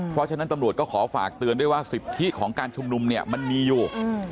เพราะฉะนั้นตำรวจก็ขอฝากเตือนด้วยว่าสิทธิของการชุมนุมเนี่ยมันมีอยู่